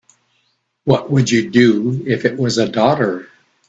What would you do if it was a daughter?